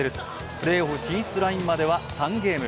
プレーオフ進出ラインまでは３ゲーム。